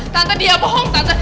tante dia bohong tante